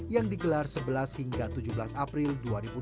yang digelar sebelas hingga tujuh belas april dua ribu dua puluh